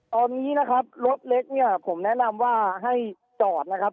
ตอนนี้นะครับรถเล็กเนี่ยผมแนะนำว่าให้จอดนะครับ